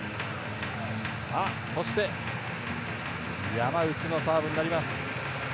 山内のサーブになります。